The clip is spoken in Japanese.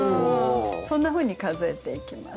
そんなふうに数えていきます。